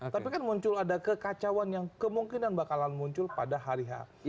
tapi kan muncul ada kekacauan yang kemungkinan bakalan muncul pada hari hari